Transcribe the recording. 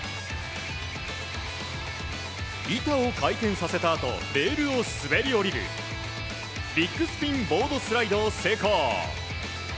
板を回転させたあとレールを滑り降りるビッグスピンボードスライドを成功。